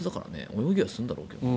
泳ぎはするんだろうけど。